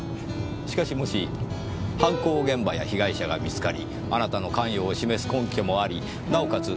しかしもし犯行現場や被害者が見つかりあなたの関与を示す根拠もありなおかつ